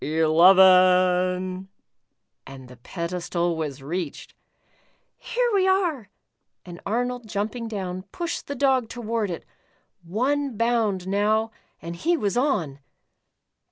''Eleven f' and the pedestal was reached. "Here we are," and Arnold jumping down, pushed the Dog toward it ! One bound now, and he w^as on